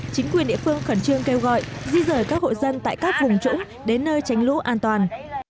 chính quyền địa phương khẩn trương kêu gọi di rời các hộ dân tại các vùng trũng đến nơi tránh lũ an toàn